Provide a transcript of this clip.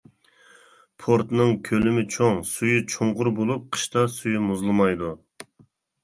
پورتنىڭ كۆلىمى چوڭ، سۈيى چوڭقۇر بولۇپ، قىشتا سۈيى مۇزلىمايدۇ.